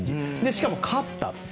しかも、勝った。